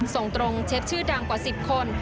ส่งตรงเชฟชื่อดังกว่า๑๐คน